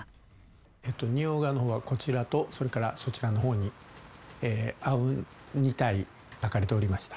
仁王画の方がこちらとそれからそちらの方に阿吽２体が描かれておりました。